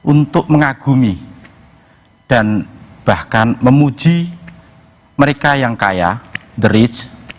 untuk mengagumi dan bahkan memuji mereka yang kaya the rich